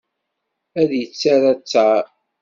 Ad yettarra ttaṛ.